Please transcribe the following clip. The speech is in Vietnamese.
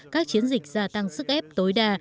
các chiến dịch gia tăng sức ép tối đa